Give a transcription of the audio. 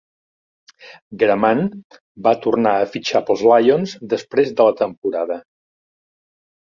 Graman va tornar a fitxar pels Lions després de la temporada.